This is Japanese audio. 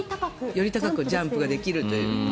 より高くジャンプができると。